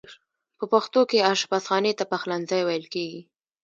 په پښتو کې آشپز خانې ته پخلنځی ویل کیږی.